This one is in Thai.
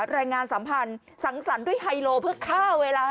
แรงงานสัมพันธ์สังสรรค์ด้วยไฮโลเพื่อฆ่าเวลา